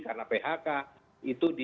karena phk itu di